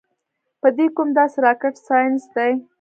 پۀ دې کوم داسې راکټ سائنس دے -